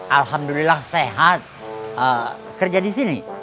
alhamdulillah sehat kerja di sini